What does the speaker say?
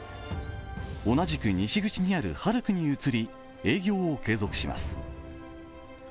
同じく西口にあるハルクに移り、営業を継続します。